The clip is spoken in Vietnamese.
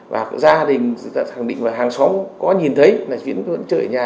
và gia đình là khẳng định là hàng xóm có nhìn thấy là chiến vẫn chơi ở nhà